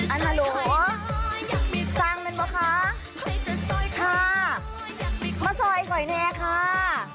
อันโหลสั่งเป็นเปล่าคะค่ะมาซอยไหนแน่ค่ะ